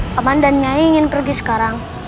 teman dan nyai ingin pergi sekarang